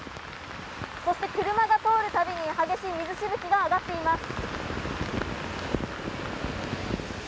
そして車が通る度に激しい水しぶきが上がっています。